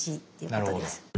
あなるほど。